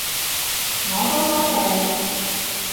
我都多謝你